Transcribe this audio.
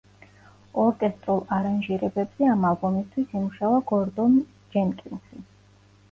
ორკესტრულ არანჟირებებზე ამ ალბომისთვის იმუშავა გორდონ ჯენკინსი.